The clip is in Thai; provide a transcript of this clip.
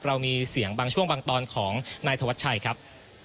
เรามีเสียงบางช่วงบางตอนของนายธวัชชัยครับ